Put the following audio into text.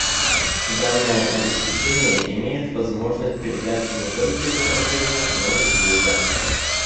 Данное обеспечение имеет возможность передачи не только изображения, но и звука